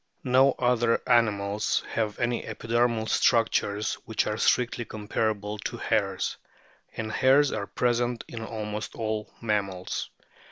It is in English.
No other animals have any epidermal structures which are strictly comparable to hairs ; and hairs are present in almost all mammals.